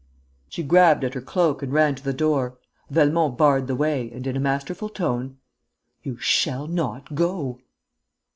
She grabbed at her cloak and ran to the door ... Velmont barred the way and, in a masterful tone: "You shall not go!"